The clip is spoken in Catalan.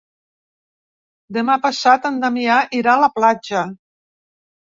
Demà passat en Damià irà a la platja.